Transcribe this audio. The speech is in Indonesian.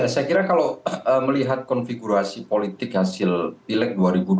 saya kira kalau melihat konfigurasi politik hasil pileg dua ribu dua puluh